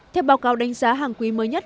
theo báo cáo đánh giá hàng quý mới nhất